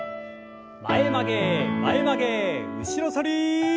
前曲げ前曲げ後ろ反り。